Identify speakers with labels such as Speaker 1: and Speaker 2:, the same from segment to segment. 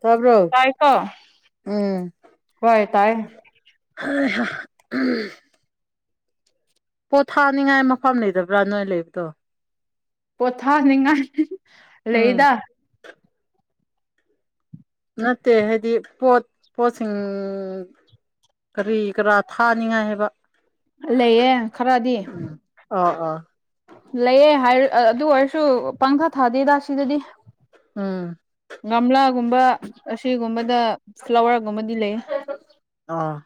Speaker 1: ꯇꯥꯕ꯭ꯔꯣ
Speaker 2: ꯇꯥꯏꯀꯣ
Speaker 1: ꯎꯝ
Speaker 2: ꯍꯣꯏ ꯇꯥꯏ
Speaker 1: ꯍꯣꯏ ꯍ [unintelligible] ꯄꯣꯠ ꯊꯥꯅꯤꯡꯉꯥꯏ ꯃꯐꯝ ꯂꯩꯗꯕ꯭ꯔꯥ ꯅꯣꯏ ꯂꯩꯕꯗꯣ
Speaker 2: ꯄꯣꯊꯥꯅꯤꯡꯉꯥꯏ
Speaker 1: ꯎꯝ
Speaker 2: ꯂꯩꯗ
Speaker 1: ꯅꯠꯇꯦ ꯍꯥꯏꯗꯤ ꯄꯣꯠ ꯄꯣꯠꯁꯤꯡ ꯀꯔꯤ ꯀꯔꯥ ꯊꯥꯅꯤꯡꯉꯥꯏ ꯍꯥꯏꯕ
Speaker 2: ꯂꯩꯌꯦ ꯈꯔꯗꯤ
Speaker 1: ꯑꯣ ꯑꯣ
Speaker 2: ꯂꯩꯌꯦꯦ ꯍꯥꯏ ꯑꯗꯨ ꯑꯣꯏꯔꯁꯨ ꯄꯥꯡꯊ ꯊꯥꯗꯦꯗ ꯁꯤꯗꯗꯤ
Speaker 1: ꯎꯝ
Speaker 2: ꯒꯝꯂꯥꯒꯨꯝꯕ ꯑꯁꯤꯒꯨꯝꯕꯗ ꯐ꯭ꯂꯥꯋꯔꯒꯨꯝꯕꯗꯤ ꯂꯩ
Speaker 1: ꯑꯥ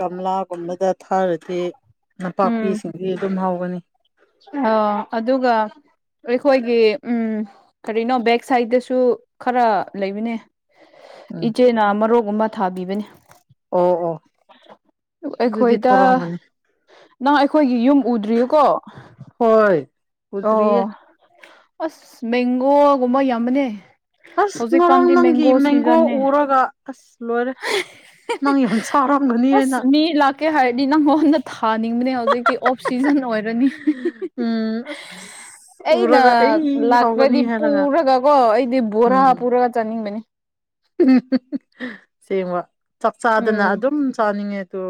Speaker 1: ꯒꯝꯂꯥꯒꯨꯝꯕꯗ ꯊꯥꯔꯗꯤ ꯅꯄꯥꯛꯄꯤꯁꯤꯡꯗꯤ ꯑꯗꯨꯝ ꯍꯧꯒꯅꯤ
Speaker 2: ꯑꯣ ꯑꯗꯨꯒ ꯑꯩꯈꯣꯏꯒꯤ ꯎꯝ ꯀꯔꯤꯅꯣ ꯕꯦꯛ ꯁꯥꯏꯗꯠꯇꯁꯨ ꯈꯔ ꯂꯩꯕꯅꯦ
Speaker 1: ꯎꯝ
Speaker 2: ꯏꯆꯦꯅ ꯃꯔꯣꯛꯒꯨꯝꯕ ꯊꯥꯕꯤꯕꯅꯤ
Speaker 1: ꯑꯣ ꯑꯣ ꯑꯗꯨꯗꯤ
Speaker 2: ꯑꯩꯈꯣꯏꯗ
Speaker 1: ꯊꯣꯔꯝꯒꯅꯤ
Speaker 2: ꯅꯪ ꯑꯩꯈꯣꯏꯒꯤ ꯌꯨꯝ ꯎꯗ꯭ꯔꯤꯌꯦꯀꯣ
Speaker 1: ꯍꯣꯏ ꯎꯗ꯭ꯔꯤꯌꯦ
Speaker 2: ꯑꯣ ꯑꯁ ꯃꯦꯡꯒꯣꯒꯨꯝꯕ ꯌꯥꯝꯕꯅꯦ
Speaker 1: ꯑꯁ ꯉꯔꯣꯡ
Speaker 2: ꯍꯧꯖꯤꯛꯀꯥꯟꯗꯤ
Speaker 1: ꯅꯪꯒꯤ ꯃꯦꯡꯒꯣ
Speaker 2: ꯁꯤꯖꯟꯅꯦ
Speaker 1: ꯎꯔꯒ ꯑꯁ ꯂꯣꯏꯔꯦ ꯅꯪ ꯌꯥꯝ ꯁꯥꯔꯝꯒꯅꯤꯅ
Speaker 2: ꯀꯩ ꯍꯥꯏꯔꯗꯤ ꯅꯪꯉꯣꯟꯗ ꯊꯥꯅꯤꯡꯕꯅꯦ ꯍꯧꯖꯤꯛꯇꯤ ꯑꯣꯐ ꯁꯤꯖꯟ ꯑꯣꯏꯔꯅꯤ
Speaker 1: ꯎꯝ ꯑꯁ
Speaker 2: ꯑꯩꯅ
Speaker 1: ꯎꯔꯒ ꯑꯩ ꯍꯧꯒꯅꯤ
Speaker 2: ꯂꯥꯛꯄ꯭ꯔꯗꯤ
Speaker 1: ꯍꯥꯏꯔꯒ
Speaker 2: ꯄꯨꯔꯒ ꯀꯣ ꯑꯩꯗꯤ ꯕꯣꯔꯥ
Speaker 1: ꯎꯝ
Speaker 2: ꯄꯨꯔꯒ ꯆꯥꯅꯤꯡꯕꯅꯤ
Speaker 1: ꯁꯦꯡꯕ ꯆꯥꯛ ꯆꯥꯗꯅ
Speaker 2: ꯎꯝ
Speaker 1: ꯑꯗꯨꯝ ꯆꯥꯅꯤꯡꯉꯦ ꯑꯗꯨ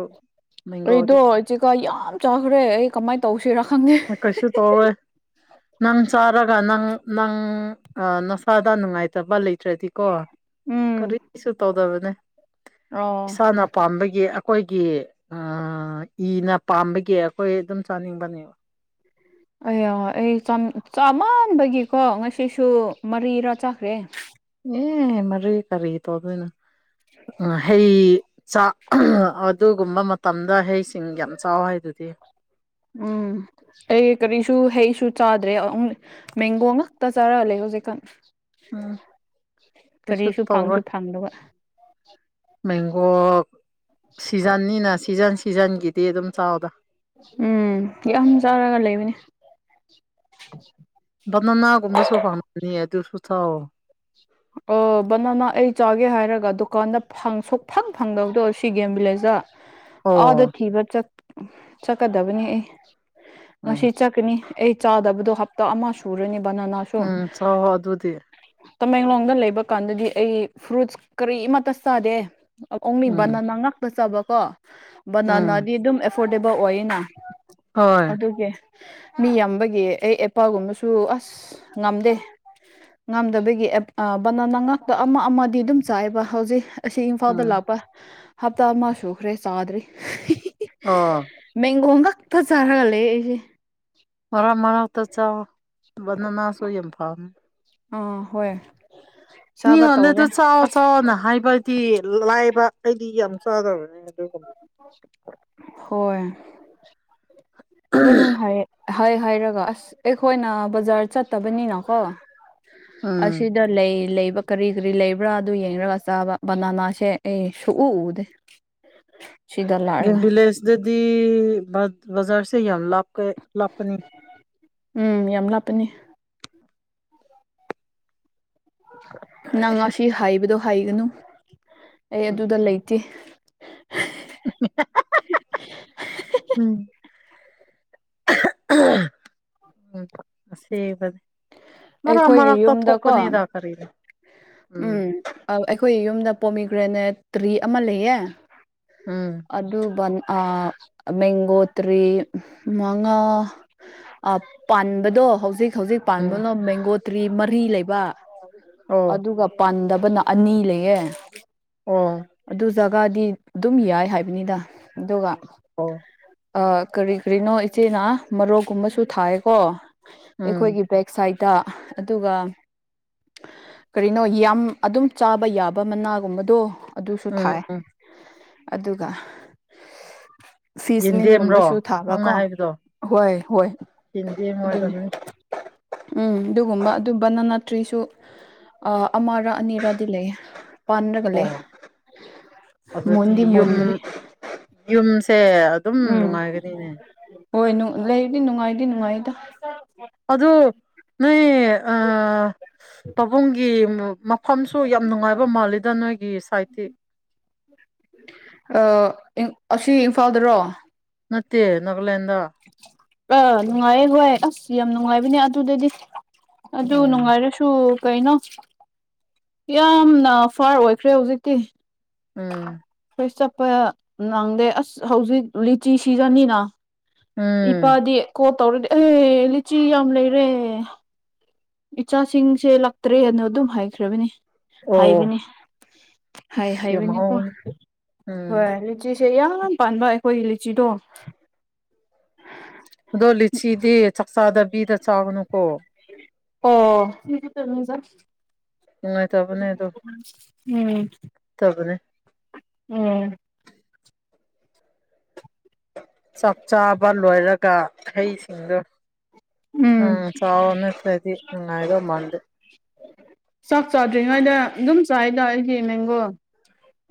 Speaker 2: ꯑꯩꯗꯣ
Speaker 1: ꯃꯦꯡꯒꯣꯗꯤ
Speaker 2: ꯆꯦꯒꯥ ꯌꯥꯝ ꯆꯥꯈ꯭ꯔꯦ ꯑꯩ ꯀꯃꯥꯏ ꯇꯧꯁꯤꯔꯥ ꯈꯪꯗꯦ
Speaker 1: ꯀꯩꯁꯨ ꯇꯧꯔꯣꯏ ꯅꯪ ꯆꯥꯔꯒ ꯅꯪ ꯅꯪ ꯑ ꯅꯁꯥꯗ ꯅꯨꯡꯉꯥꯏꯇꯕ ꯂꯩꯇ꯭ꯔꯗꯤꯀꯣ
Speaker 2: ꯎꯝ
Speaker 1: ꯀꯔꯤꯁꯨ ꯇꯧꯗꯕꯅꯦ
Speaker 2: ꯔꯣ
Speaker 1: ꯅ ꯄꯥꯝꯕꯒꯤ ꯑꯈꯣꯏꯒꯤ ꯑ ꯏꯅ ꯄꯥꯝꯕꯒꯤ ꯑꯈꯣꯏ ꯑꯗꯨꯝ ꯆꯥꯅꯤꯡꯕꯅꯦꯕ
Speaker 2: ꯑꯌꯥ ꯑꯩ ꯆꯥ ꯆꯥꯃꯟ ꯕꯒꯤꯀꯣ ꯉꯁꯤꯁꯨ ꯃꯔꯤꯔꯥ ꯆꯥꯈ꯭ꯔꯦ
Speaker 1: ꯅꯦ ꯃꯔꯤ ꯀꯔꯤ ꯇꯧꯗꯣꯏꯅꯣ ꯎꯝ ꯍꯩ ꯆꯥꯛ ꯑꯗꯨꯒꯨꯝꯕ ꯃꯇꯝꯗ ꯍꯩꯁꯤꯡ ꯌꯥꯝ ꯆꯥꯎ ꯍꯥꯏꯗꯨꯗꯤ
Speaker 2: ꯎꯝ ꯑꯩ ꯀꯔꯤꯁꯨ ꯍꯩꯁꯨ ꯆꯥꯗ꯭ꯔꯦ ꯑꯣꯡꯂꯤ ꯃꯦꯡꯒꯣ ꯉꯥꯛꯇ ꯆꯥꯔꯂꯩ ꯍꯧꯖꯤꯛꯀꯥꯟ
Speaker 1: ꯎꯝ ꯀꯩꯁꯨ
Speaker 2: ꯀꯔꯤꯁꯨ
Speaker 1: ꯇꯧꯔꯣꯏ
Speaker 2: ꯐꯪꯁꯨ ꯐꯪꯂꯣꯏ
Speaker 1: ꯃꯦꯡꯒꯣ ꯁꯤꯖꯟꯅꯤꯅ ꯁꯤꯖꯟ ꯁꯤꯖꯟꯒꯤ ꯇꯤ ꯑꯗꯨꯝ ꯆꯥꯎꯗ
Speaker 2: ꯎꯝ ꯌꯥꯝ ꯆꯥꯔꯒ ꯂꯩꯕꯅꯤ
Speaker 1: ꯕꯅꯅꯥꯒꯨꯝꯕꯁ ꯐꯪꯂꯝꯒꯅꯤ ꯑꯗꯨꯁꯨ ꯆꯥꯎꯌꯣ
Speaker 2: ꯑꯣ ꯕꯅꯥꯅ ꯑꯩ ꯆꯥꯒꯦ ꯍꯥꯏꯔꯒ ꯗꯨꯀꯥꯟꯗ ꯐꯪꯁꯨ ꯁꯨꯛꯐꯪ ꯐꯪꯗꯕꯗꯣ ꯁꯤ ꯒꯦꯝ ꯚꯤꯂꯦꯖꯗ ꯑꯥꯗ
Speaker 1: ꯑꯣ
Speaker 2: ꯊꯤꯕ ꯆꯠ ꯆꯠꯀꯗꯕꯅꯤ ꯑꯩ
Speaker 1: ꯎꯝ
Speaker 2: ꯉꯁꯤ ꯆꯠ ꯀꯅꯤ ꯑꯩ ꯆꯥꯗꯕꯗꯣ ꯍꯞꯇꯥ ꯑꯃ ꯁꯨꯔꯅꯤ ꯕꯅꯅꯥ
Speaker 1: ꯎꯝ ꯆꯥꯎ ꯑꯗꯨꯗꯤ
Speaker 2: ꯇꯃꯦꯡꯂꯣꯡꯗ ꯂꯩꯕ ꯀꯥꯟꯗꯗꯤ ꯑꯩ ꯐ꯭ꯔꯨꯠꯁ ꯀꯔꯤꯃꯠꯇ ꯆꯥꯗꯦ ꯑ ꯑꯣꯡꯂꯤ
Speaker 1: ꯎꯝ
Speaker 2: ꯕꯅꯅꯥ ꯉꯥꯛꯇ ꯆꯕꯀꯣ
Speaker 1: ꯎꯝ
Speaker 2: ꯕꯅꯅꯥꯗꯤ ꯑꯗꯨꯝ ꯑꯦꯐꯣꯔꯗꯦꯕꯜ ꯑꯣꯏꯌꯦꯅ
Speaker 1: ꯍꯣꯏ
Speaker 2: ꯑꯗꯨꯒꯤ ꯃꯤ ꯌꯥꯝꯕꯒꯤ ꯑꯩ ꯑꯦꯄꯥꯜꯒꯨꯝꯕꯁꯨ ꯑꯁ ꯉꯝꯗꯦ ꯉꯝꯗꯕꯒꯤ ꯑꯦꯞ ꯑ ꯕꯅꯥꯅ ꯉꯥꯛꯇ ꯑꯃ ꯑꯃꯗꯤ ꯑꯗꯨꯝ ꯆꯥꯏꯌꯦꯕ ꯍꯧꯖꯤꯛ ꯑꯁꯤ ꯏꯝꯐꯥꯜꯗ
Speaker 1: ꯎꯝ
Speaker 2: ꯂꯥꯛꯄ ꯍꯞꯇꯥ ꯑꯃ ꯁꯨꯈ꯭ꯔꯦ ꯆꯥꯗ꯭ꯔꯤ
Speaker 1: ꯑꯣ
Speaker 2: ꯃꯦꯡꯒꯣ ꯉꯥꯛ ꯇ ꯆꯥꯔꯒ ꯂꯩꯌꯦ ꯑꯩꯁꯦ
Speaker 1: ꯃꯔꯥꯃꯔꯛꯇ ꯆꯥꯎꯑꯣ ꯕꯅꯅꯥꯁꯨ ꯌꯥꯝ ꯐꯝꯅꯤ
Speaker 2: ꯑꯥ ꯍꯣꯏ ꯆꯥꯕ
Speaker 1: ꯃꯤꯉꯣꯟꯗ ꯑꯗꯨ
Speaker 2: ꯇꯧꯒꯦ
Speaker 1: ꯆꯥꯎ
Speaker 2: ꯑꯁ
Speaker 1: ꯆꯥꯎꯅ ꯍꯥꯏꯕꯗꯤ ꯂꯥꯏꯕ ꯑꯩꯗꯤ ꯌꯥꯝ ꯆꯥꯗ꯭ꯔꯕꯅꯤ ꯑꯗꯨꯒꯨꯝ
Speaker 2: ꯍꯣꯏ ꯗꯨꯝ ꯍꯥꯌꯦ ꯍꯥꯏ ꯍꯥꯏꯔꯒ ꯑꯁ ꯑꯩꯈꯣꯏꯅ ꯕꯖꯥꯔ ꯆꯠꯇꯕꯅꯤꯅꯀꯣ ꯑꯁꯤ
Speaker 1: ꯎꯝ
Speaker 2: ꯗ ꯂꯩ ꯂꯩꯕ ꯀꯔꯤ ꯀꯔꯤ ꯂꯩꯕ꯭ꯔꯥ ꯑꯗꯨ ꯌꯦꯡꯔꯒ ꯆꯥꯕ ꯕꯅꯥꯅꯥꯁꯦ ꯑꯩ ꯁꯨꯛꯎ ꯎꯗꯦ
Speaker 1: [inaudible]
Speaker 2: ꯁꯤꯗ
Speaker 1: ꯒꯦꯝ
Speaker 2: ꯂꯥꯛꯔꯒ
Speaker 1: ꯚꯤꯂꯦꯖꯗꯗꯤ ꯕꯠ ꯕꯖꯥꯔꯁꯦ ꯌꯥꯝ ꯂꯥꯞꯀꯦ ꯂꯥꯞꯀꯅꯤ
Speaker 2: ꯎꯝ ꯌꯥꯝ ꯂꯥꯞꯄꯅꯤ ꯅꯪ ꯉꯁꯤ ꯍꯥꯏꯕꯗꯣ ꯍꯥꯏꯒꯅꯨ ꯑꯩ ꯑꯗꯨꯗ ꯂꯩꯇꯦ
Speaker 1: [unintelligible] ꯑꯁꯦꯕꯅꯤ ꯃꯔ
Speaker 2: ꯑꯩꯈꯣꯏꯒꯤ
Speaker 1: ꯃꯔꯛꯇ
Speaker 2: ꯌꯨꯝꯗꯀꯣ
Speaker 1: ꯊꯣꯛꯄꯅꯤꯗ ꯀꯔꯤꯅꯣ ꯎꯝ
Speaker 2: ꯑꯧ ꯑꯩꯈꯣꯏ ꯌꯨꯝꯗ ꯄꯣꯃꯤꯒ꯭ꯔꯅꯦꯠ ꯇ꯭ꯔꯤ ꯑꯃ ꯂꯩꯌꯦ
Speaker 1: ꯎꯝ
Speaker 2: ꯑꯗꯨ ꯕꯟ ꯑ ꯃꯦꯒꯣꯇ꯭ꯔꯤ ꯃꯉꯥ ꯑꯥ ꯄꯥꯟꯕꯗꯣ ꯍꯧꯖꯤꯛ ꯍꯧꯖꯤꯛ
Speaker 1: ꯎꯝ
Speaker 2: ꯄꯥꯟꯕꯉꯝ ꯃꯦꯡꯒꯣ ꯇ꯭ꯔꯤ ꯃꯔꯤ ꯂꯩꯕ
Speaker 1: ꯑꯣ
Speaker 2: ꯑꯗꯨꯒꯞ ꯄꯥꯟꯗꯕꯅ ꯑꯅꯤ ꯂꯩꯌꯦ
Speaker 1: ꯑꯣ
Speaker 2: ꯑꯗꯨ ꯖꯥꯒꯥꯗꯤ ꯗꯨꯝ ꯌꯥꯏ ꯍꯥꯏꯕꯅꯤꯗ ꯑꯗꯨꯒ
Speaker 1: ꯑꯣ
Speaker 2: ꯑ ꯀꯔꯤ ꯀꯔꯤꯅꯣ ꯏꯆꯦꯅ ꯃꯔꯣꯛꯀꯨꯝꯕꯁꯨ ꯊꯥꯏꯌꯦ ꯀꯣ
Speaker 1: ꯎꯝ
Speaker 2: ꯑꯩꯈꯣꯏꯒꯤ ꯕꯦꯛ ꯁꯥꯏꯠꯇ ꯑꯗꯨꯒ ꯀꯔꯤꯅꯣ ꯌꯥꯝ ꯑꯗꯨꯝ ꯆꯥꯕ ꯌꯥꯕ ꯃꯅꯥꯒꯨꯝꯕꯗꯣ ꯑꯗꯨꯁꯨ
Speaker 1: ꯎꯝ
Speaker 2: ꯊꯥꯏ
Speaker 1: ꯎꯝ
Speaker 2: ꯑꯗꯨꯒ
Speaker 1: ꯌꯦꯟꯗꯦꯝꯔꯣ
Speaker 2: ꯐꯤꯁꯅꯤꯝꯒꯨꯝꯕꯁꯨ
Speaker 1: ꯅꯪꯅ
Speaker 2: ꯊꯥꯕꯀꯣ
Speaker 1: ꯍꯥꯏꯕꯗꯣ
Speaker 2: ꯍꯣꯏ ꯍꯣꯏ
Speaker 1: ꯌꯦꯟꯗꯦꯝ
Speaker 2: ꯑꯗꯨꯅꯤ
Speaker 1: ꯑꯣꯏꯔꯝꯅꯤ
Speaker 2: ꯎꯝ ꯗꯨꯒꯨꯝꯕ ꯑꯗꯨ ꯕꯅꯥꯅꯥ ꯇ꯭ꯔꯤꯁꯨ ꯑꯥ ꯑꯃꯔ ꯑꯅꯤꯔꯗꯤ ꯂꯩꯌꯦ ꯄꯥꯟꯔꯒ
Speaker 1: ꯑꯣ
Speaker 2: ꯂꯩ
Speaker 1: ꯑꯗꯨꯗꯤ
Speaker 2: ꯃꯨꯟꯗꯤ
Speaker 1: ꯌꯨꯝ
Speaker 2: ꯃꯨꯟꯗꯔ꯭ꯤ
Speaker 1: ꯌꯨꯝꯁꯦ ꯑꯗꯨꯝ ꯅꯨꯉꯥꯏꯒꯅꯤꯅꯦ
Speaker 2: ꯍꯣꯏ ꯅꯨ ꯂꯩꯕꯗꯤ ꯅꯨꯉꯥꯏꯗꯤ ꯅꯨꯉꯥꯏꯗ
Speaker 1: ꯑꯗꯨ ꯅꯣꯏ ꯑ ꯄꯥꯕꯨꯡꯒꯤ ꯃꯞ ꯐꯝꯁꯨ ꯌꯥꯝ ꯅꯨꯡꯉꯥꯏꯕ ꯃꯥꯜꯂꯤꯗ ꯅꯣꯏꯒꯤ ꯁꯥꯏꯠꯇꯤ
Speaker 2: ꯑꯥ ꯑꯁꯤ ꯏꯝꯐꯥꯜꯗꯔꯣ
Speaker 1: ꯅꯠꯇꯦ ꯅꯒꯂꯦꯟꯗ
Speaker 2: ꯑꯥ ꯅꯨꯉꯥꯏꯌꯦ ꯍꯣꯏ ꯑꯁ ꯌꯥꯝ ꯅꯨꯉꯥꯏꯕꯅꯦ ꯑꯗꯨꯗꯗꯤ ꯑꯗꯨ
Speaker 1: ꯎꯝ
Speaker 2: ꯅꯨꯉꯥꯏꯔꯁꯨ ꯁꯨ ꯀꯩꯅꯣ ꯌꯥꯝꯅ ꯐꯥꯔ ꯑꯣꯏꯈ꯭ꯔꯦ ꯍꯧꯖꯤꯛꯇꯤ
Speaker 1: ꯎꯝ
Speaker 2: ꯈꯣꯏ ꯆꯞꯄ ꯅꯪꯗꯦ ꯑꯁ ꯍꯧꯖꯤꯛ ꯂꯤꯆꯤ ꯁꯤꯖꯟꯅꯤꯅ
Speaker 1: ꯎꯝ
Speaker 2: ꯏꯄꯥꯗꯤ ꯀꯣꯜ ꯇꯧꯔꯗꯤ ꯑꯦ ꯂꯤꯆꯤ ꯌꯥꯝ ꯂꯩꯔꯦ ꯏꯆꯥꯁꯤꯡꯁꯦ ꯂꯛꯇ꯭ꯔꯦꯅ ꯗꯨꯝ ꯍꯥꯏꯈ꯭ꯔꯕꯅꯤ
Speaker 1: ꯑꯣ
Speaker 2: ꯍꯥꯏꯕꯅꯤ ꯍꯥꯏ
Speaker 1: ꯑꯁ ꯌꯥꯝ
Speaker 2: ꯍꯥꯏꯕꯅꯤꯀꯣ
Speaker 1: ꯍꯥꯎꯕꯅꯤ ꯎꯝ
Speaker 2: [unintelligible] ꯆꯤꯁꯦ ꯌꯥꯝ ꯄꯥꯟꯕ ꯑꯩꯈꯣꯏꯒꯤ ꯂꯤꯆꯤꯗꯣ
Speaker 1: ꯑꯗꯣ ꯂꯤꯆꯤꯗꯤ ꯆꯛꯆꯥꯗꯕꯤꯗ ꯆꯥꯒꯅꯨꯀꯣ
Speaker 2: ꯑꯣ [unintelligible]
Speaker 1: ꯅꯨꯡꯉꯥꯏꯇꯕꯅꯦ
Speaker 2: ꯎꯝ
Speaker 1: ꯇꯕꯅꯦ
Speaker 2: ꯎꯝ
Speaker 1: ꯆꯥꯛ ꯆꯥꯕ ꯂꯣꯏꯔꯛ ꯀꯥ ꯍꯩꯁꯤꯡꯗꯣ ꯎꯝ ꯆꯥꯎꯑꯣ ꯅꯠꯇ꯭ꯔꯗꯤ ꯅꯨꯉꯥꯏꯗꯧ ꯃꯥꯟꯗꯦ
Speaker 2: ꯆꯥꯛ ꯆ ꯆꯥꯎꯗ꯭ꯔꯤꯉꯩꯗ ꯑꯗꯨꯝ ꯆꯥꯏꯗ ꯑꯩꯒꯤ ꯃꯦꯡꯒꯣ꯫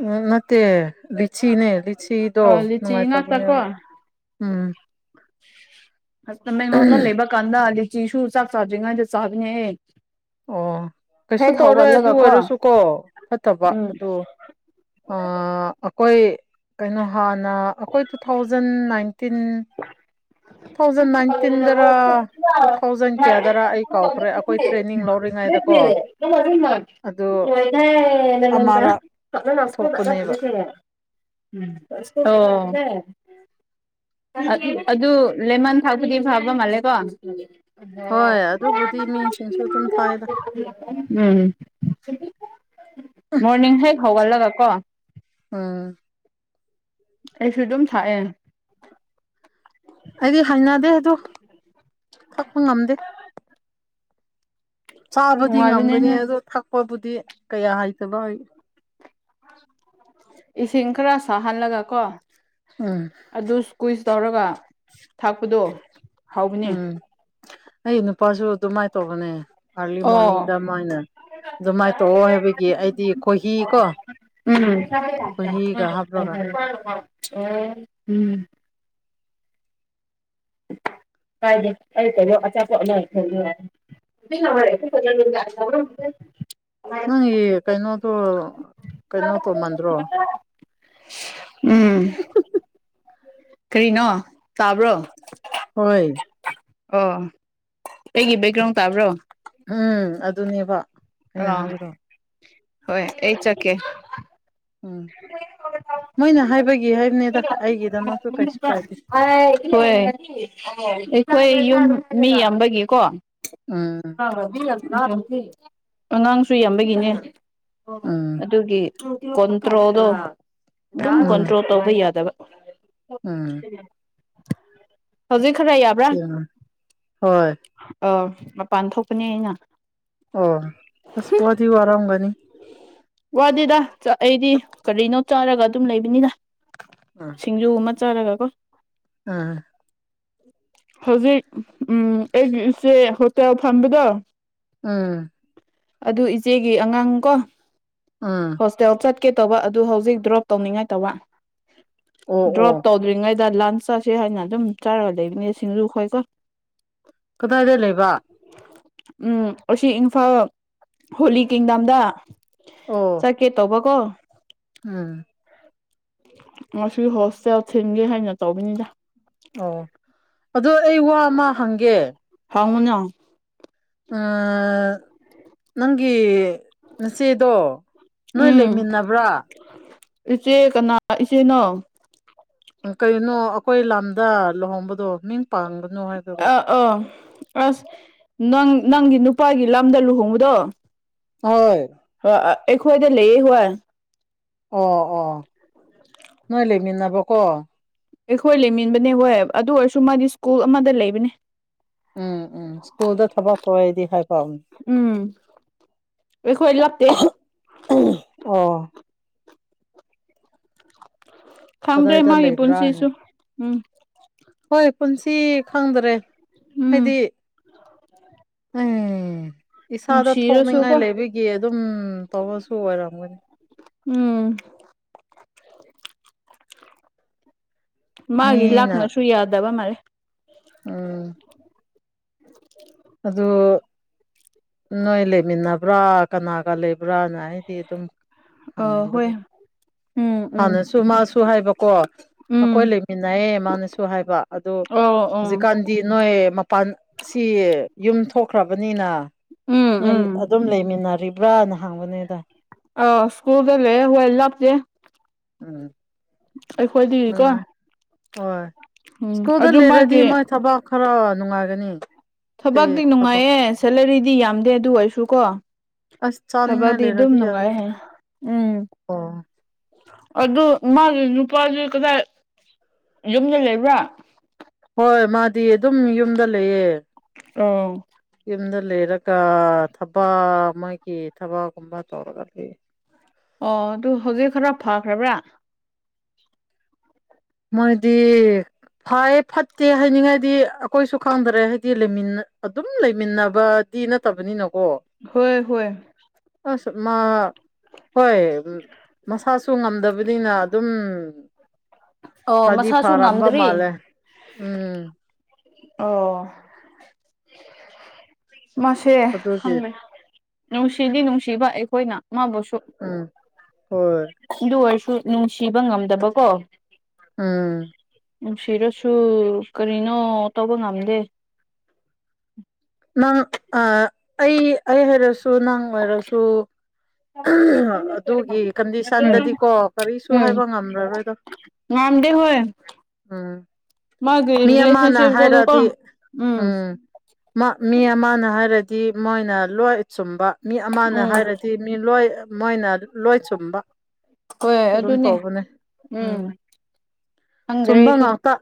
Speaker 1: ꯎꯝ ꯅꯠꯇꯦ ꯂꯤꯁꯤꯅꯦ ꯂꯤꯁꯤꯗꯣ
Speaker 2: ꯑ ꯂꯤꯆꯤ
Speaker 1: ꯅꯨꯡꯉꯥꯏꯇꯕꯅꯦꯕ ꯎꯝ
Speaker 2: ꯇꯥꯃꯦꯂꯣꯡꯗ ꯂꯩꯕ ꯀꯥꯟꯗ ꯆꯤꯁꯨꯨ ꯆꯥꯛ ꯆꯥꯗ꯭ꯔꯤꯀꯥꯟꯗ ꯆꯥꯕꯅꯦ꯫
Speaker 1: ꯑꯣ ꯀꯩꯁꯨ
Speaker 2: ꯍꯦꯛ
Speaker 1: ꯇꯧꯔꯣꯏ ꯑꯗꯨ
Speaker 2: ꯍꯧꯒꯠꯂꯒ
Speaker 1: ꯑꯣꯏꯔꯁꯨ ꯀꯣ ꯐꯠꯇꯕ
Speaker 2: ꯎꯝ
Speaker 1: ꯑꯣ ꯑꯈꯣꯏ ꯀꯩꯅꯣ ꯍꯥꯟꯅ ꯑꯩꯈꯣꯏ two thousand nineteen two thousand ꯅꯥꯏꯟꯇꯤꯟꯗꯔ
Speaker 2: [inaudible]
Speaker 1: two thousand ꯀꯌꯥꯗꯔ ꯑꯩ ꯀꯥꯎꯈ꯭ꯔꯦ ꯑꯩꯈꯣꯏ
Speaker 2: [unintelligible]
Speaker 1: ꯇ꯭ꯔꯦꯅꯤꯡ ꯂꯧꯔꯤꯉꯩꯗꯀꯣ
Speaker 2: [unintelligible]
Speaker 1: ꯑꯗꯨ ꯑꯃꯔꯛ
Speaker 2: ꯃꯣꯏꯅꯦ
Speaker 1: ꯊꯣꯛꯄꯅꯦꯕ
Speaker 2: [unintelligible] ꯎꯝ ꯑꯣ ꯑꯗꯨ ꯂꯦꯃꯦꯟ ꯊꯥꯎꯕꯨꯗꯤ ꯐꯕ ꯃꯥꯜꯦ ꯀꯣ [unintelligible]
Speaker 1: ꯍꯣꯏ ꯑꯗꯨꯕꯨꯗꯤ ꯃꯤꯁꯤꯡꯁꯨ ꯑꯗꯨꯝ ꯊꯥꯏꯗ
Speaker 2: ꯎꯝ ꯃꯣꯔꯅꯤꯡ ꯍꯦꯛ ꯍꯧꯒꯠꯂꯒ ꯀꯣ
Speaker 1: ꯎꯝ
Speaker 2: ꯑꯩꯁꯨ ꯑꯗꯨꯝ ꯊꯥꯛꯑꯦ
Speaker 1: ꯑꯩꯗꯤ ꯍꯥꯏꯅꯗꯦ ꯑꯗꯣ ꯊꯛꯄ ꯉꯝꯗꯦ꯫ ꯆꯥꯕꯗꯤ ꯉꯝꯒꯅꯤ
Speaker 2: ꯅꯨꯡꯉꯥꯏꯕꯅꯦꯍꯦ
Speaker 1: ꯑꯗꯣ ꯊꯛꯄꯕꯨꯗꯤ ꯀꯌꯥ ꯍꯥꯏꯇꯕ
Speaker 2: ꯏꯁꯤꯡ ꯈꯔ ꯁꯥꯍꯜꯂꯒ ꯀꯣ
Speaker 1: ꯎꯝ
Speaker 2: ꯑꯗꯨ ꯀꯨꯏꯁ ꯇꯧꯔꯒ ꯊꯥꯛꯄꯗꯣ꯫ ꯍꯥꯎꯕꯅꯦ
Speaker 1: ꯎꯝ ꯑꯩ ꯅꯨꯄꯥꯁꯨ ꯑꯗꯨꯃꯥꯏꯅ ꯇꯧꯕꯅꯦ ꯑꯥꯔꯂꯤ
Speaker 2: ꯑꯣ
Speaker 1: ꯃꯣꯔꯅꯤꯡꯗ ꯃꯥꯏꯅ ꯑꯗꯨꯃꯥꯏꯅ ꯇꯧꯑꯣ ꯍꯥꯏꯕꯒꯤ ꯑꯩꯗꯤ ꯈꯣꯏꯍꯤ ꯀꯣ꯫ ꯈꯣꯏꯍꯤꯒ
Speaker 2: ꯎꯝ
Speaker 1: ꯍꯥꯞꯔꯒ
Speaker 2: ꯎꯝ ꯀꯥꯏꯗ ꯀ ꯀꯔꯣ ꯑꯆꯥꯄꯅꯈꯣꯏ ꯌꯥꯔ [unintelligible]
Speaker 1: ꯅꯪꯒꯤ ꯀꯩꯅꯣꯗꯨꯣ ꯀꯩꯅꯣ ꯇꯧꯃꯟ꯭ꯗꯔꯣ꯫
Speaker 2: ꯎꯝ ꯀꯔꯤꯅꯣ ꯇꯥꯕ꯭ꯔꯣ [unintelligible]
Speaker 1: ꯍꯣꯏ
Speaker 2: [unintelligible] ꯑꯣ ꯑꯩꯒꯤ ꯕꯦꯛꯒ꯭ꯔꯥꯎꯟ ꯇꯥꯕ꯭ꯔꯣ
Speaker 1: ꯎꯝ ꯑꯗꯨꯅꯦꯕ ꯑꯩꯅ ꯍꯥꯏꯕꯗꯣ
Speaker 2: [unintelligible] ꯍꯣꯏ ꯑꯩ ꯆꯠꯀꯦ
Speaker 1: ꯎꯝ
Speaker 2: [unintelligible] [unintelligible]
Speaker 1: ꯃꯣꯏꯅ ꯍꯥꯏꯕꯒꯤ ꯍꯥꯏꯕꯅꯤꯗ ꯑꯩꯒꯤꯗꯃꯛꯁꯨ ꯀꯩꯁꯨ ꯀꯥꯏꯗꯦ
Speaker 2: [unintelligible] ꯍꯣꯏ ꯑꯩꯈꯣꯏ ꯌꯨꯝ ꯃꯤ ꯌꯥꯝꯕꯒꯤꯀꯣ
Speaker 1: ꯎꯝ
Speaker 2: [unintelligible] ꯑꯉꯥꯡꯁꯨ ꯌꯥꯝꯕꯒꯤꯅꯦ
Speaker 1: ꯎꯝ
Speaker 2: ꯑꯗꯨꯒꯤ ꯀꯣꯟꯇ꯭ꯔꯣꯜꯗꯣ ꯑꯗꯨꯝ
Speaker 1: ꯎꯝ
Speaker 2: ꯀꯣꯟꯇ꯭ꯔꯣꯜ ꯇꯧꯕ ꯌꯥꯗꯕ [inaudible] [unintelligible] ꯍꯧꯖꯤꯛ ꯈꯔ ꯌꯥꯞ
Speaker 1: [unintelligible] ꯍꯣꯏ
Speaker 2: ꯑꯣ ꯃꯄꯥꯟ ꯊꯣꯛꯄꯅꯦ ꯑꯩꯅ
Speaker 1: ꯑꯣ ꯑꯁ ꯋꯥꯗꯤ ꯋꯥꯔꯝꯒꯅꯤ
Speaker 2: ꯋꯥꯗꯦꯗ ꯑꯩꯗꯤ ꯀꯔꯤꯅꯣ ꯆꯥꯔꯒ ꯑꯗꯨꯝ ꯂꯩꯕꯅꯤꯅ ꯌꯨ ꯑꯃ ꯆꯥꯔꯒ ꯀꯣ
Speaker 1: ꯑꯥ
Speaker 2: [inaudible] ꯍꯧꯖꯤꯛ ꯎꯝ ꯑꯩꯒꯤ ꯏꯆꯦ ꯍꯣꯇꯦꯜ ꯐꯝꯕꯗꯣ
Speaker 1: ꯎꯝ
Speaker 2: ꯑꯗꯨ ꯏꯆꯦꯒꯤ ꯑꯉꯥꯡ ꯀꯣ
Speaker 1: ꯎꯝ
Speaker 2: ꯍꯣꯁꯇꯦꯜ ꯆꯠꯀꯦ ꯇꯧꯕ ꯑꯗꯨ ꯍꯧꯖꯤꯛ ꯗ꯭ꯔꯣꯞ ꯇꯧꯅꯤꯉꯥꯏ ꯇꯧꯕ
Speaker 1: ꯑꯣ
Speaker 2: ꯗ꯭ꯔꯣꯞ
Speaker 1: ꯑꯣ
Speaker 2: ꯇꯧ ꯗ꯭ꯔꯤꯉꯩꯗ ꯂꯟꯁ ꯆꯥꯁꯦ ꯍꯥꯏꯅ ꯑꯗꯨꯝ ꯆꯥꯔꯒ ꯂꯩꯕꯅꯦ ꯁꯤꯡꯖꯨ ꯈꯣꯏꯀꯣ
Speaker 1: ꯀꯗꯥꯏꯗ ꯂꯩꯕ
Speaker 2: ꯎꯝ ꯑꯁꯤ ꯏꯝꯐꯥꯜ ꯍꯣꯂꯤ ꯀꯤꯡꯗꯝꯗ
Speaker 1: ꯑꯣ
Speaker 2: ꯀꯦ ꯇꯧꯕ ꯀꯣ
Speaker 1: ꯎꯝ
Speaker 2: ꯉꯁꯤ ꯍꯣꯁꯇꯦꯜ ꯊꯤꯟꯒꯦ ꯍꯥꯏꯅ ꯇꯧꯕꯅꯤꯗ
Speaker 1: ꯑꯣ ꯑꯗꯨ ꯑꯩ ꯋꯥ ꯑꯃ ꯍꯪꯒꯦ
Speaker 2: ꯍꯪꯉꯨꯅ
Speaker 1: ꯑ ꯅꯪꯒꯤ ꯅꯆꯦꯗꯣ ꯅꯣꯏ
Speaker 2: ꯎꯝ
Speaker 1: ꯂꯩꯃꯤꯟꯅꯕ꯭ꯔꯥ
Speaker 2: ꯏꯆꯦ ꯀꯅꯥ ꯏꯆꯦꯅꯣ
Speaker 1: ꯀꯩꯅꯣ ꯑꯩꯈꯣꯏ ꯂꯝꯗ ꯂꯨꯍꯣꯡꯕꯗꯣ ꯃꯤꯡ ꯄꯥꯟꯒꯅꯨ ꯍꯥꯏꯕꯕꯨ
Speaker 2: ꯑ ꯑꯁ ꯅꯪ ꯅꯪꯒꯤ ꯅꯨꯄꯥꯒꯤ ꯂꯝꯗ ꯂꯨꯍꯣꯡꯕꯗꯣ
Speaker 1: ꯍꯣꯏ
Speaker 2: ꯑꯩꯈꯣꯏꯗ ꯂꯩꯌꯦ ꯍꯣꯏ
Speaker 1: ꯑꯣ ꯑꯣ ꯅꯣꯏ ꯂꯩꯃꯤꯟꯅꯕ ꯀꯣ
Speaker 2: ꯑꯩꯈꯣꯏ ꯂꯩꯃꯤꯟꯕꯅꯦ ꯍꯣꯏ ꯑꯗꯨ ꯑꯣꯏꯔꯁꯨ ꯃꯥꯗꯤ ꯏꯁ꯭ꯀꯨꯜ ꯑꯃꯗ ꯂꯩꯕꯅꯤ
Speaker 1: ꯎꯝ ꯎꯝ ꯏꯁ꯭ꯀꯨꯜꯗ ꯊꯕꯛ ꯇꯧꯋꯦꯗꯤ ꯍꯥꯏꯕ
Speaker 2: ꯎꯝ ꯑꯩꯈꯣꯏ ꯂꯥꯞꯇꯦ
Speaker 1: ꯎꯝ ꯑꯣ
Speaker 2: ꯈꯪꯗꯦ
Speaker 1: ꯀꯗꯥꯏꯗ
Speaker 2: ꯃꯥꯒꯤ
Speaker 1: ꯂꯩꯕ꯭ꯔꯥ ꯍꯥꯏꯅ
Speaker 2: ꯄꯨꯟꯁꯤꯁꯨ ꯎꯝ
Speaker 1: ꯍꯣꯏ ꯄꯨꯟꯁꯤ ꯈꯪꯗꯔꯦ
Speaker 2: ꯎꯝ
Speaker 1: ꯍꯥꯏꯗꯤ ꯎꯝ ꯏꯁꯥꯗ ꯊꯣꯛꯅꯤꯡꯉꯥꯏ
Speaker 2: ꯅꯨꯡꯁꯤꯔꯁꯨꯀꯣ
Speaker 1: ꯂꯩꯕꯒꯤ ꯒꯤ ꯑꯗꯨꯝ ꯇꯧꯕꯁꯨ ꯑꯣꯏꯔꯝꯒꯅꯤ
Speaker 2: ꯎꯝ ꯃꯥꯒꯤ
Speaker 1: ꯃꯤꯅ
Speaker 2: ꯂꯥꯛꯅꯁꯨ ꯌꯥꯗꯕ ꯃꯥꯜꯂꯦ
Speaker 1: ꯎꯝ
Speaker 2: [unintelligible]
Speaker 1: ꯑꯗꯨ ꯅꯣꯏ ꯂꯩꯃꯤꯟꯅꯕ꯭ꯔꯥ ꯀꯅꯥꯒ ꯂꯩꯕ꯭ꯔꯥꯅ ꯍꯥꯏꯗꯤ ꯑꯗꯨꯝ
Speaker 2: ꯑ ꯍꯣꯏ
Speaker 1: ꯍꯪꯅꯤꯡꯕꯅꯤ
Speaker 2: ꯎꯝ ꯎꯝ
Speaker 1: ꯍꯥꯟꯅꯁꯨ ꯃꯥꯁꯨ ꯍꯥꯏꯕꯀꯣ
Speaker 2: ꯎꯝ
Speaker 1: ꯑꯩꯈꯣꯏ ꯂꯩꯃꯤꯟꯅꯩꯌꯦ ꯃꯥꯅꯁꯨ ꯍꯥꯏꯕ ꯑꯗꯣ
Speaker 2: ꯑꯣ ꯑꯣ
Speaker 1: ꯍꯧꯖꯤꯛꯀꯥꯟ ꯗꯤ ꯅꯣꯏ ꯃꯄꯥꯟꯁꯤ ꯌꯨꯝ ꯊꯣꯛꯈ꯭ꯔꯕꯅꯤꯅ
Speaker 2: ꯎꯝ
Speaker 1: ꯅꯣꯏ
Speaker 2: ꯎꯝ
Speaker 1: ꯑꯗꯨꯝ ꯂꯩꯃꯤꯟꯅꯔꯤꯕ꯭ꯔꯅ ꯍꯪꯕꯅꯦꯗ
Speaker 2: ꯑ ꯁ꯭ꯀꯨꯜꯗ ꯂꯩꯌꯦ ꯍꯣꯏ ꯂꯥꯞꯇꯦ
Speaker 1: ꯎꯝ
Speaker 2: ꯑꯩꯈꯣꯏꯗꯒꯤꯀꯣ
Speaker 1: ꯅꯨꯡꯉꯥꯏ ꯍꯣꯏ
Speaker 2: ꯎꯝ
Speaker 1: ꯁ꯭ꯀꯨꯜꯗ
Speaker 2: ꯑꯗꯨ
Speaker 1: ꯂꯩꯔꯗꯤ
Speaker 2: ꯃꯥꯒꯤ
Speaker 1: ꯃꯣꯏ ꯊꯕꯛ ꯈꯔ ꯅꯨꯡꯉꯥꯏꯔꯅꯤ
Speaker 2: ꯊꯕꯛꯇꯤ ꯅꯨꯡꯉꯥꯏꯌꯦ ꯁꯦꯂꯔꯤꯗꯤ ꯌꯥꯝꯗꯦ ꯑꯗꯨ ꯑꯣꯏꯔꯁꯨꯀꯣ
Speaker 1: ꯑꯁ ꯆꯥꯅꯤꯡꯉꯥꯏ
Speaker 2: ꯊꯕꯛꯗꯤ ꯑꯗꯨꯝ
Speaker 1: ꯂꯩꯔꯗꯤ
Speaker 2: ꯅꯨꯡꯉꯥꯏ
Speaker 1: ꯌꯥꯔꯦꯗ
Speaker 2: ꯍꯥꯏ ꯎꯝ
Speaker 1: ꯑꯣ
Speaker 2: ꯑꯗꯨ ꯃꯥꯒꯤ ꯅꯨꯄꯥꯗꯤ ꯀꯗꯥꯏ ꯌꯨꯝꯗ ꯂꯩꯕ꯭ꯔꯥ
Speaker 1: ꯍꯣꯏ ꯃꯥꯗꯤ ꯑꯗꯨꯝ ꯌꯨꯝꯗ ꯂꯩꯌꯦ
Speaker 2: ꯑꯣ
Speaker 1: ꯌꯨꯝꯗꯥ ꯂꯩꯔꯒ ꯊꯕꯥꯛ ꯃꯣꯏꯒꯤ ꯊꯕꯥꯛꯒꯨꯝꯕ ꯇꯧꯔꯒꯗꯤ
Speaker 2: ꯑꯣ ꯑꯗꯨ ꯍꯧꯖꯤꯛ ꯈꯔ ꯐꯈ꯭ꯔꯥꯕ꯭ꯔꯥ
Speaker 1: ꯃꯣꯏꯗꯤ ꯐꯩ ꯐꯠꯇꯦ ꯍꯥꯏꯅꯤꯡꯉꯥꯏꯗꯤ ꯑꯩꯈꯣꯏꯁꯨ ꯈꯪꯗꯥꯔꯦ ꯍꯥꯏꯗꯤ ꯂꯩꯃꯤꯟꯅ ꯑꯗꯨꯝ ꯂꯩꯃꯤꯟꯅꯕ ꯗꯤ ꯅꯠꯇꯕꯅꯤꯅꯀꯣ
Speaker 2: ꯍꯣꯏ ꯍꯣꯏ
Speaker 1: ꯑꯁ ꯃꯥ ꯍꯣꯏ ꯃꯁꯥꯁꯨ ꯉꯝꯗꯕꯅꯤꯅ ꯑꯗꯨꯝ
Speaker 2: ꯑꯣ
Speaker 1: ꯐꯗꯤ
Speaker 2: ꯃꯁꯥꯁꯨ
Speaker 1: ꯐꯔꯝꯕ
Speaker 2: ꯉꯝꯗ꯭ꯔꯤ
Speaker 1: ꯃꯥꯜꯂꯦ ꯎꯝ
Speaker 2: ꯑꯣ ꯃꯥꯁꯨ ꯁꯦ
Speaker 1: ꯑꯗꯨꯒꯤ
Speaker 2: ꯈꯪꯗꯦ ꯅꯨꯡꯁꯤꯗꯤ ꯅꯨꯡꯁꯤꯕ ꯑꯩꯈꯣꯏꯅ ꯃꯥꯕꯨꯁꯨ
Speaker 1: ꯎꯝ ꯍꯣꯏ
Speaker 2: ꯑꯗꯨ ꯑꯣꯏꯔꯁꯨ ꯅꯨꯡꯁꯤꯕ ꯉꯝꯗꯕꯀꯣ
Speaker 1: ꯎꯝ
Speaker 2: ꯅꯨꯡꯁꯤꯔꯁꯨ ꯀꯔꯤꯅꯣ ꯇꯧꯕ ꯉꯝꯗꯦ
Speaker 1: ꯅꯪ ꯑꯥ ꯑꯩ ꯑꯩ ꯍꯥꯏꯔꯁꯨ ꯅꯪ ꯑꯣꯏꯔꯁꯨ ꯑꯗꯨꯒꯤ ꯀꯟꯗꯤꯁꯟꯗꯗꯤ
Speaker 2: ꯎꯝ
Speaker 1: ꯀꯣ ꯀꯔꯤꯁꯨ
Speaker 2: ꯎꯝ
Speaker 1: ꯍꯥꯏꯕ ꯉꯝꯂꯔꯣꯏꯗꯣ
Speaker 2: ꯉꯝꯗꯦ ꯍꯣꯏ
Speaker 1: ꯎꯝ
Speaker 2: ꯃꯥꯒꯤ
Speaker 1: ꯃꯤ ꯑꯃꯅ ꯍꯥꯏꯔꯛꯑꯗꯤ
Speaker 2: ꯔꯤꯂꯦꯁꯟꯁꯤꯞꯇꯒꯀꯣ
Speaker 1: ꯎꯝ ꯃꯥ ꯃꯤ ꯑꯃꯅ ꯍꯥꯏꯔꯗꯤ ꯃꯣꯏꯅ ꯂꯣꯏ ꯆꯨꯝꯕ ꯃꯤ ꯑꯃꯅ
Speaker 2: ꯎꯝ
Speaker 1: ꯍꯥꯏꯔꯗꯤ ꯃꯤ ꯂꯣꯏ ꯃꯣꯏꯅ ꯂꯣꯏ ꯆꯨꯝꯕ
Speaker 2: ꯍꯣꯏ
Speaker 1: ꯑꯗꯨꯝ
Speaker 2: ꯑꯗꯨꯅꯦ
Speaker 1: ꯇꯧꯕꯅꯦ ꯎꯝ
Speaker 2: ꯈꯪꯗ꯭ꯔꯦ
Speaker 1: ꯊꯨꯝꯕ
Speaker 2: ꯑꯩꯁꯨ
Speaker 1: ꯉꯥꯛꯇꯥ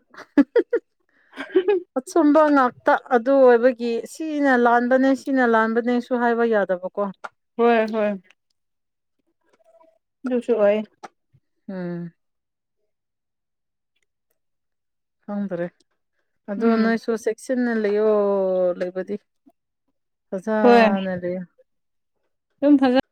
Speaker 1: ꯑꯆꯨꯝꯕ ꯉꯥꯛꯇꯥ ꯑꯗꯨ ꯑꯣꯏꯕꯒꯤ ꯁꯤꯅ ꯂꯥꯟꯕꯅꯦ ꯁꯤꯅ ꯂꯥꯟꯕꯅꯦꯁꯨ ꯍꯥꯏꯕ ꯌꯥꯠ ꯗꯕ ꯀꯣ
Speaker 2: ꯍꯣꯏ ꯍꯣꯏ ꯑꯗꯨꯁꯨ ꯑꯣꯏꯌꯦ
Speaker 1: ꯎꯝ ꯈꯪꯗꯥꯔꯦ ꯑꯗꯣ
Speaker 2: ꯎꯝ
Speaker 1: ꯅꯣꯏꯁꯨ ꯆꯦꯛꯁꯤꯟꯅ ꯂꯩꯌꯣ ꯂꯩꯕꯗꯤ
Speaker 2: ꯍꯣꯏ
Speaker 1: ꯐꯖꯥꯅ ꯂꯩꯌꯣ
Speaker 2: ꯑꯗꯨꯝ ꯐꯖꯥ